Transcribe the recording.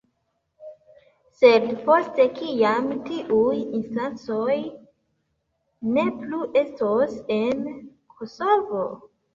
Sed poste, kiam tiuj instancoj ne plu estos en Kosovo?